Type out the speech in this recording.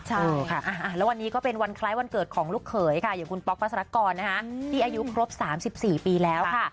ใช่ค่ะแล้ววันนี้ก็เป็นวันคล้ายวันเกิดของลูกเขยค่ะอย่างคุณป๊อกพัสรกรที่อายุครบ๓๔ปีแล้วค่ะ